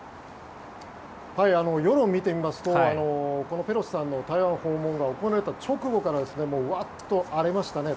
世論を見てみますとこのペロシさんの台湾訪問が行われた直後からワッと荒れましたね。